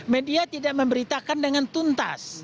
media tidak memberitakan dengan tuntas